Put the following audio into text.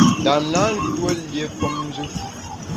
Ndam na ntuó lié femnjù.